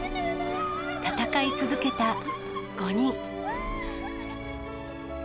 戦い続けた５人。